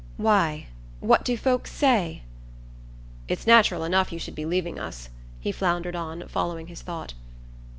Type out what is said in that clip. "Why, what do folks say?" "It's natural enough you should be leaving us" he floundered on, following his thought.